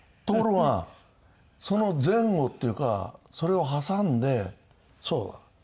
ところがその前後っていうかそれを挟んでそうだ。